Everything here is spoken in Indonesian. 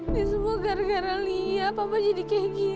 ini semua gara gara lia papa jadi kayak gini